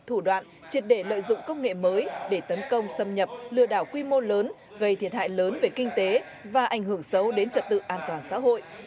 thủ đoạn triệt để lợi dụng công nghệ mới để tấn công xâm nhập lừa đảo quy mô lớn gây thiệt hại lớn về kinh tế và ảnh hưởng xấu đến trật tự an toàn xã hội